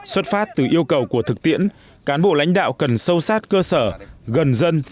xuất phát từ yêu cầu của thực tiễn cán bộ lãnh đạo cần sâu sát cơ sở gần dân